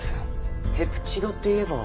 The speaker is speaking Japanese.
ペプチドといえば。